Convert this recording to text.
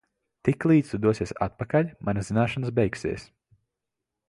Tiklīdz tu dosies atpakaļ, manas zināšanas beigsies.